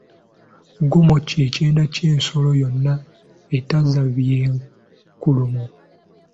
Gomo kye kyenda ky’ensolo yonna etezza bw’enkulumu.